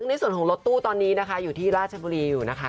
ในส่วนของรถตู้ตอนนี้นะคะอยู่ที่ราชบุรีอยู่นะคะ